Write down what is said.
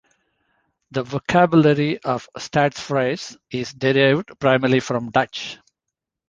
The vocabulary of Stadsfries is derived primarily from Dutch.